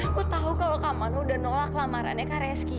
aku tahu kalau kamu udah nolak lamarannya kak reski